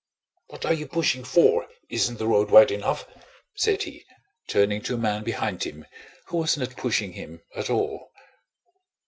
What are you pushing for? Isn't the road wide enough?" said he, turning to a man behind him who was not pushing him at all.